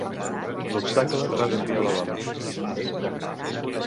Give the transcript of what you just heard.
L'obstacle va desviar la bala.